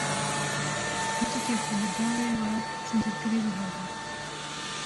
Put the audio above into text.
Kûçikê xwe bi darê ve zincîrkirî bihêle.